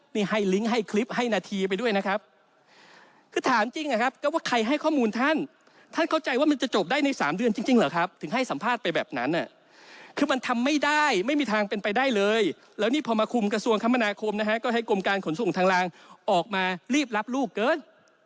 นี่ให้ลิงก์ให้คลิปให้นาทีไปด้วยนะครับคือถามจริงอะครับก็ว่าใครให้ข้อมูลท่านท่านเข้าใจว่ามันจะจบได้ในสามเดือนจริงเหรอครับถึงให้สัมภาษณ์ไปแบบนั้นคือมันทำไม่ได้ไม่มีทางเป็นไปได้เลยแล้วนี่พอมาคุมกระทรวงคมนาคมนะฮะก็ให้กรมการขนส่งทางลางออกมารีบรับลูกเกิน